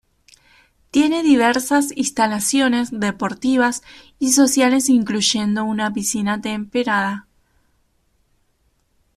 Tiene diversas instalaciones deportivas y sociales incluyendo una piscina temperada.